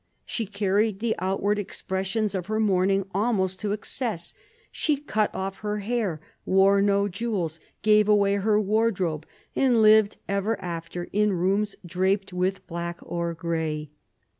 She carried the outward expressions of her mourning almost to excess ; she cut off her hair, wore no jewels, gave away her wardrobe, and lived ever after in rooms draped with black or grey.